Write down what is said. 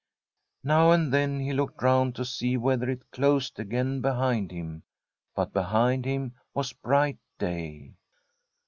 Now and then he looked round to see whether it closed again behind him. But behind him was bright day.